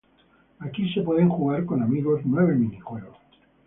Aquí se pueden jugar con amigos nueve minijuegos.